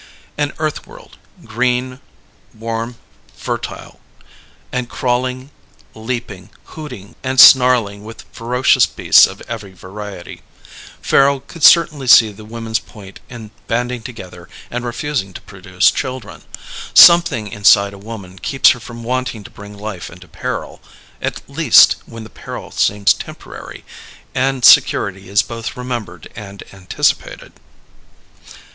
An Earth like world. Green, warm, fertile and crawling, leaping, hooting and snarling with ferocious beasts of every variety. Farrel could certainly see the women's point in banding together and refusing to produce children. Something inside a woman keeps her from wanting to bring life into peril at least, when the peril seems temporary, and security is both remembered and anticipated.